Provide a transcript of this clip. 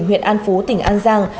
huyện an phú tỉnh an giang